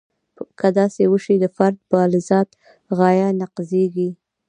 که داسې وشي د فرد بالذات غایه نقضیږي.